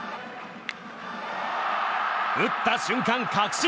打った瞬間、確信。